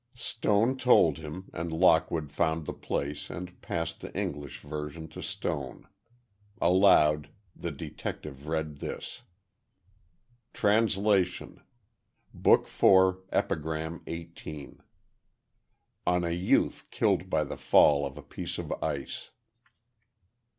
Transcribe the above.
Stone told him, and Lockwood found the place, and passed the English version to Stone. Aloud, the detective read this: TRANSLATION Book IV, Epigram 18 On a youth killed by the fall of a piece of ice.